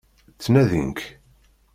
Ttnadin-k.